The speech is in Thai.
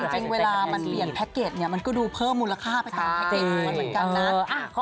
จริงเวลามันเปลี่ยนแพ็กเกจเนี่ยมันก็ดูเพิ่มมูลค่าไปตามแพ็กเกจ๊ะเหมือนกันนะ